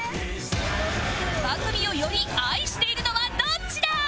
番組をより愛しているのはどっちだ？